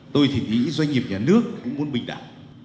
tôi thì nghĩ doanh nghiệp nhà nước cũng muốn bình đẳng